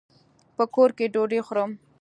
په کور کي ډوډۍ خورم.